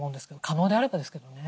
可能であればですけどね。